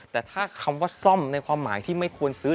แต่ถ้าคำว่าซ่อมในความหมายที่ไม่ควรซื้อ